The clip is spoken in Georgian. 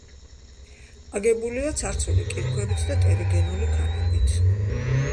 აგებულია ცარცული კირქვებით და ტერიგენული ქანებით.